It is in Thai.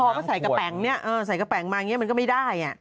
เวลาใส่กระแปงเนี่ยเหมือนก็ไม่ได้